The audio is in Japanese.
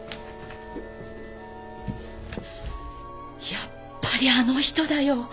やっぱりあの人だよ。